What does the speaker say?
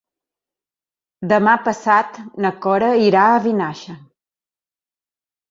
Demà passat na Cora irà a Vinaixa.